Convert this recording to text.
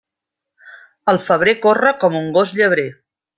El febrer corre com un gos llebrer.